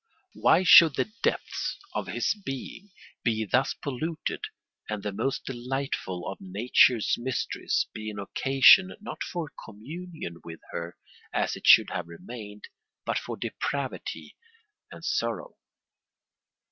Why should the depths of his being be thus polluted and the most delightful of nature's mysteries be an occasion not for communion with her, as it should have remained, but for depravity and sorrow?